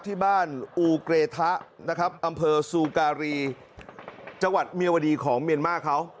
ที่บ้านอูเกรทะอำเภอซูกาลีจังหวัดเมียวดีของเมียนมาเค้า